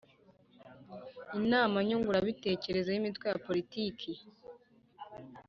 inama Nyunguranabitekerezo ry Imitwe ya Politiki